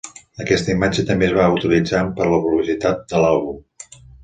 Aquesta imatge també es va utilitzar per a la publicitat de l'àlbum.